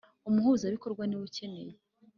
Umuhuzabikorwa niwe ukenewe.